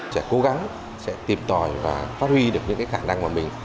trẻ cố gắng sẽ tìm tòi và phát huy được những cái khả năng của mình